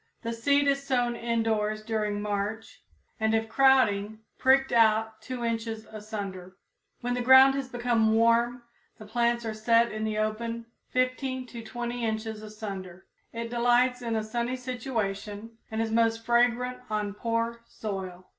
The seed is sown indoors during March, and if crowding, pricked out 2 inches asunder. When the ground has become warm, the plants are set in the open 15 to 20 inches asunder. It delights in a sunny situation, and is most fragrant on poor soil.